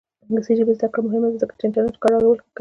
د انګلیسي ژبې زده کړه مهمه ده ځکه چې انټرنیټ کارول ښه کوي.